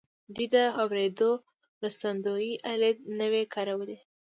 دوی د اورېدو مرستندويي الې نه وې کارولې.